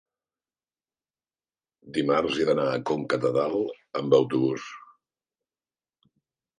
dimarts he d'anar a Conca de Dalt amb autobús.